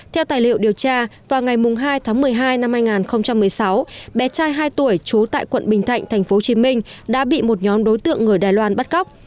theo tài liệu điều tra vào ngày hai tháng một mươi hai năm hai nghìn một mươi sáu bé trai hai tuổi trú tại quận bình thạnh tp hcm đã bị một nhóm đối tượng người đài loan bắt cóc